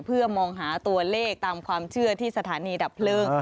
เพื่อมองหาตัวเลขตามความเชื่อที่สถานีดับเพลิง